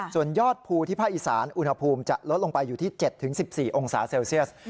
ส่วนยอดภูที่ภาคอีสานอุณหภูมิจะลดลงไปอยู่ที่๗๑๔องศาเซลเซียส